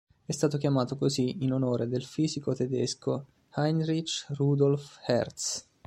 È stato chiamato così in onore del fisico tedesco Heinrich Rudolf Hertz.